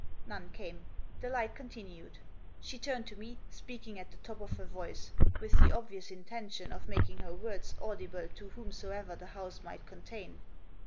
None came. The light continued. She turned to me, speaking at the top of her voice, with the obvious intention of making her words audible to whomsoever the house might contain.